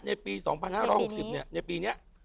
ในปี๒๕๖๐ในปีนี้